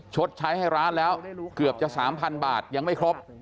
ชดใช้ให้ร้านแล้วเกือบจะ๓๐๐๐บาทยังไม่ครบ